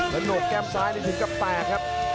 แล้วหนดแก้มซ้ายด้วยทิ้งก็แปลกครับ